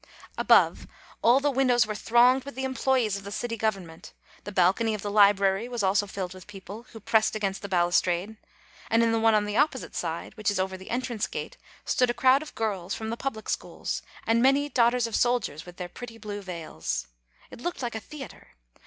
Above, all the windows were thronged with the employees of the city government; the bal cony of the library was also filled with people, who pressed against the balustrade; and in the one on the opposite side, which is over the entrance gate, stood a crowd of girls from the public schools, and many Daughters of Soldiers, with their pretty blue veils. It looked like a theatre.